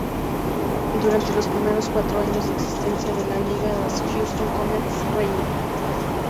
Durante los primeros cuatro años de existencia de la liga, las Houston Comets reinó.